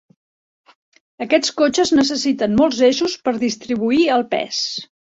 Aquests cotxes necessiten molts eixos per distribuir el pes.